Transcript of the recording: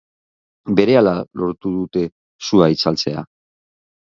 Berehala lortu dute sua itzaltzea.